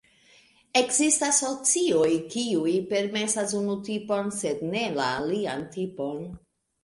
Ekzistas socioj, kiuj permesas unu tipon, sed ne la alian tipon.